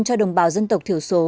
cho đồng bào dân tộc thiểu số